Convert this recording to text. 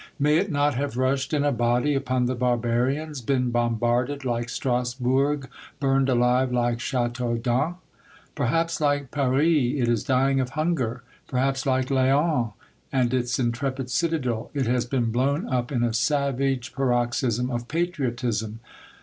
May it not have rushed in a body upon the barbarians, been bombarded like Strasbourg, burned alive like Chateaudun? Perhaps, hke Paris, it is dying of hunger ! Perhaps, like Laon and its intrepid cita del, it has been blown up in a savage paroxysm of patriotism.